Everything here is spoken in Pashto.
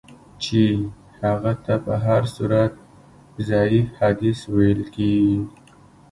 چي هغه ته په هر صورت ضعیف حدیث ویل کیږي.